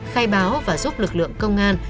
khai báo và giúp lực lượng công an